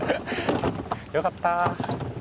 よかった。